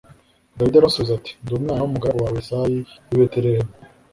Dawidi aramusubiza ati “Ndi umwana w’umugaragu wawe Yesayi w’i Betelehemu.